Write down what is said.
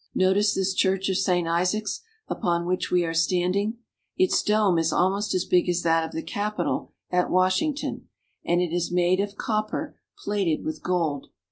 Notice this church of Saint Isaac's, upon which we are standing. Its dome is almost as big as that of the Capitol at Washington; and it is made of copper, plated with gold.